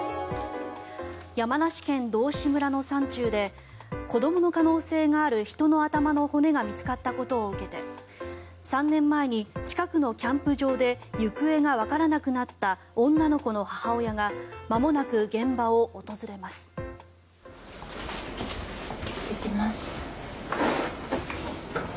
山梨県道志村の山中で子どもの可能性がある人の頭の骨が見つかったことを受けて３年前に近くのキャンプ場で行方がわからなくなった女の子の母親がまもなく現場を訪れます。